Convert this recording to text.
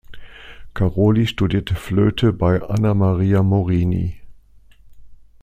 Caroli studierte Flöte bei Annamaria Morini.